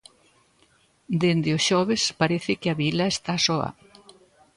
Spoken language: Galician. Dende o xoves parece que a vila está soa.